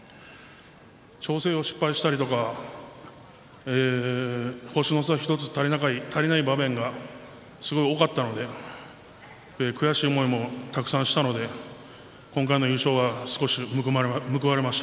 調整を失敗したりとか星の差１つ足りない場面がすごく多かったので悔しい思いもたくさんしたので今回の優勝は少し報われました。